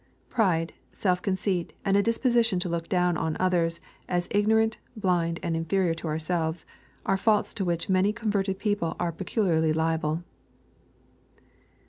Pride, self conceit, and a disposition to look down on others aa ignorant, blind, and inferior to ourselves, are faults to which many converted people are peculiarly I'able.